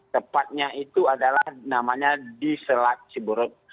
tepatnya itu adalah namanya di selat ciburuk